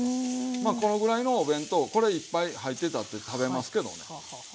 まあこのぐらいのお弁当これいっぱい入ってたって食べますけどね。